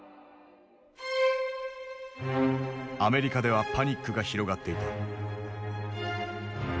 アメリカではパニックが広がっていた。